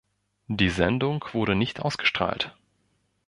Die Sendung wurde nicht ausgestrahlt.